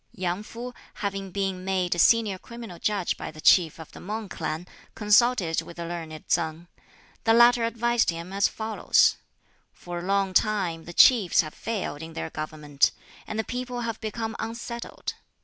'" Yang Fu, having been made senior Criminal Judge by the Chief of the Mang clan, consulted with the learned Tsang. The latter advised him as follows: "For a long time the Chiefs have failed in their government, and the people have become unsettled.